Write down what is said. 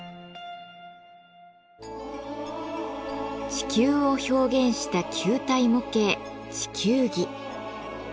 地球を表現した球体模型地球儀。